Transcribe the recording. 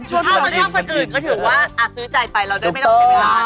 ถ้ามาชอบคนอื่นก็ถือว่าซื้อใจไปเราได้ไม่ต้องเสียเวลา